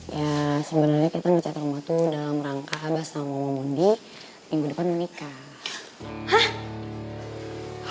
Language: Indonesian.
ya sebenarnya kita ngecat rumah tuh dalam rangka bahasa mama mondi minggu depan menikah